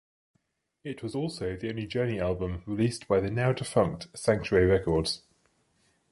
It was also the only Journey album released by the now-defunct Sanctuary Records.